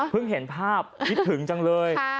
พึ่งเห็นภาพพิถึงจังเลย